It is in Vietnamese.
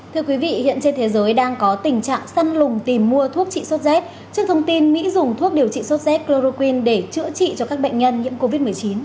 thưa quý vị hiện trên thế giới đang có tình trạng săn lùng tìm mua thuốc trị sốt z trước thông tin mỹ dùng thuốc điều trị sốt z chloroquine để chữa trị cho các bệnh nhân nhiễm covid một mươi chín